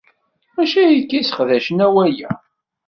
Mačči akka i sseqdacen awal-a.